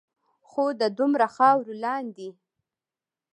خو د دومره خاورو لاندے